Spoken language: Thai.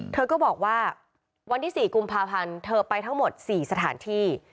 เธอก็บอกว่าวันที่๔กุมภาพันธ์เธอไปทั้งหมด๔สถานที่